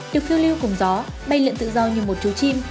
được phiêu lưu cùng gió bay luyện tự do như một chú chim